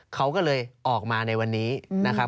เขาก็เลยออกมาในวันนี้นะครับ